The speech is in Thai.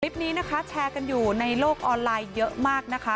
วิสแชร์กันอยู่ในโลกออนไลน์เยอะมากนะคะ